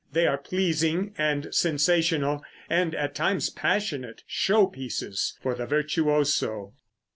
They are pleasing and sensational, and at times passionate, show pieces for the virtuoso.